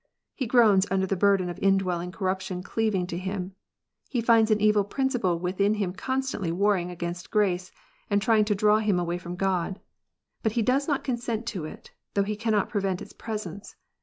He groans under the burden of indwelling corruption cleaving to him. He finds an evil principle within him constantly warring against grace, and trying to draw him away from God. But he does not consent to it, though he cannot prevent its presence.